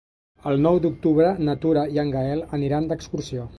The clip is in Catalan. El nou d'octubre na Tura i en Gaël aniran d'excursió.